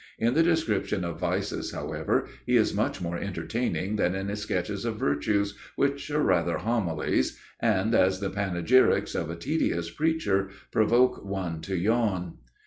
In the description of vices, however, he is much more entertaining than in his sketches of virtues, which are rather homilies and, as the panegyrics of a tedious preacher, provoke one to yawn.